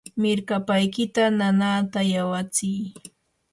mirkapaykita nanaata yawatsinki.